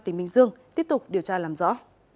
tỉnh bình dương tiếp tục điều tra làm rõ